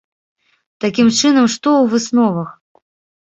Такім чынам, што ў высновах?